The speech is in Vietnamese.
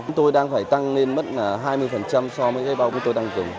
chúng tôi đang phải tăng lên mất hai mươi so với bao bì tôi đang dùng